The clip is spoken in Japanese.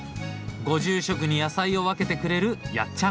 ご住職に野菜を分けてくれるやっちゃん。